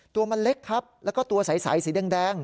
ตัวมันเล็กครับแล้วก็ตัวใสสีแดง